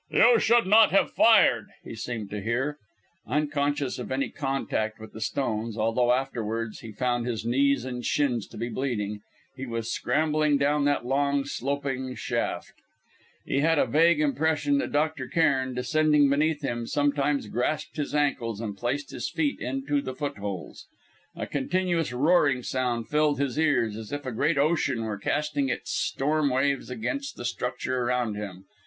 "You should not have fired!" he seemed to hear. Unconscious of any contact with the stones although afterwards he found his knees and shins to be bleeding he was scrambling down that long, sloping shaft. He had a vague impression that Dr. Cairn, descending beneath him, sometimes grasped his ankles and placed his feet into the footholes. A continuous roaring sound filled his ears, as if a great ocean were casting its storm waves against the structure around him.